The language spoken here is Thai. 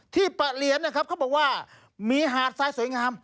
ปะเหลียนนะครับเขาบอกว่ามีหาดทรายสวยงาม